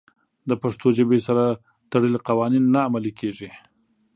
د پښتو ژبې سره تړلي قوانین نه عملي کېږي.